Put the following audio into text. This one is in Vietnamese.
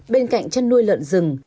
bên cạnh chăn nuôi lợn rừng